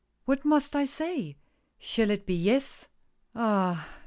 What must I say? Shall it be yes — Ah!